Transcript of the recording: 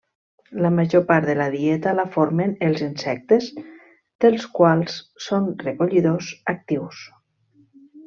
La major part de la dieta la formen els insectes dels quals són recollidors actius.